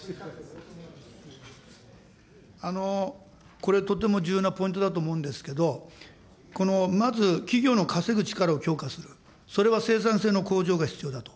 これ、とても重要なポイントだと思うんですけれど、まず企業の稼ぐ力を強化する、それは生産性の向上が必要だと。